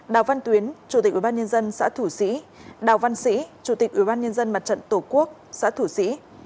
đào văn tuyến chủ tịch ubnd xã thủ sĩ đào văn sĩ chủ tịch ubnd mặt trận tổ quốc xã thủ sĩ